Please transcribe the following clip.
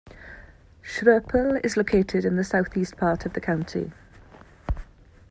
Schroeppel is located in the southeast part of the county.